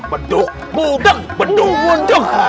peduk guduk peduk guduk